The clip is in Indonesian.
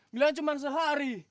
bilang cuma sehari